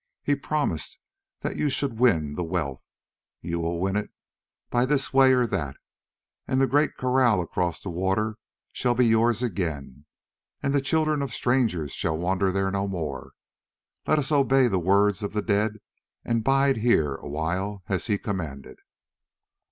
He promised that you should win the wealth: you will win it by this way or that, and the great kraal across the water shall be yours again, and the children of strangers shall wander there no more. Let us obey the words of the dead and bide here awhile as he commanded."